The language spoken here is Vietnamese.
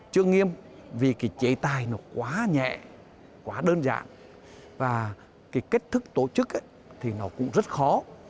chưa nghiêm vì cái chế tài nó quá nhẹ quá đơn giản và cái kết thức tổ chức thì nó cũng rất khó